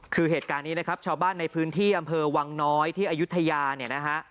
คือเหตุการณ์นี้นะครับชาวบ้านในพื้นที่อำเภอวังน้อยที่อายุทยาเนี่ยนะฮะ